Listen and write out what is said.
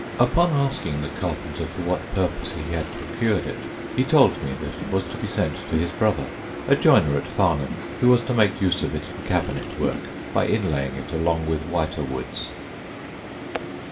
Upon asking the carpenter for what purpose he had procured it, he told me that it was to be sent to his brother, a joiner at Farnham, who was to make use of it in cabinet work, by inlaying it along with whiter woods.